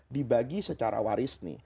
dibagi secara waris nih